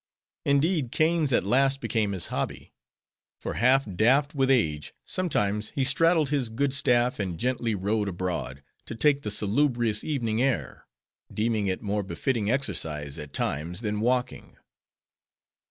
Indeed, canes at last became his hobby. For half daft with age, sometimes he straddled his good staff and gently rode abroad, to take the salubrious evening air; deeming it more befitting exercise, at times, than walking.